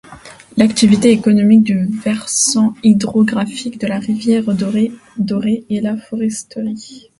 L’activité économique du versant hydrographique de la rivière Doré est la foresterie.